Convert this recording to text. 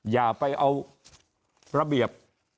อย่าไปเอาระเบียบ